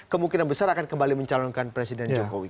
kemungkinan besar akan kembali mencalonkan presiden jokowi